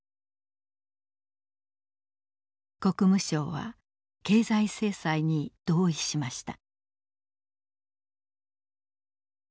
国務省は経済制裁に同意しました。